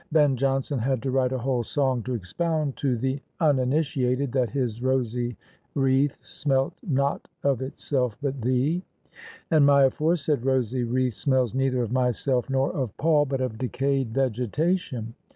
Ben Jonson had to write a whole song to expound to the uniniti ated that his rosy wreath smelt * not of itself but thee ': and my aforesaid rosy wreath smells neither of myself nor of Paul, but of decayed vegetation.